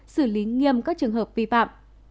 xử lý nghiêm các trường hợp vi phạm